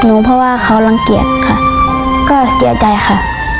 เพราะว่าเขารังเกียจค่ะก็เสียใจค่ะ